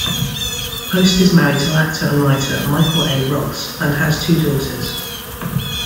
Post is married to actor and writer Michael A. Ross, and has two daughters.